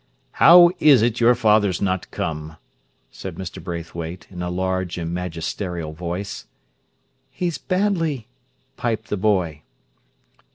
"How is it your father's not come!" said Mr. Braithwaite, in a large and magisterial voice. "He's badly," piped the boy.